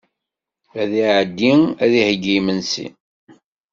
Ad iɛeddi ad iheyyi imensi.